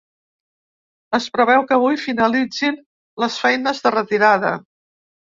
Es preveu que avui finalitzin les feines de retirada.